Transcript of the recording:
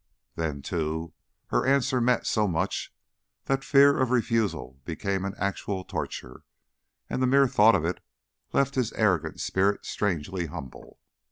Then, too, her answer meant so much that fear of refusal became an actual torture, and the mere thought of it left his arrogant spirit strangely humble.